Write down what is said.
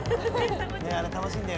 あれ楽しいんだよね。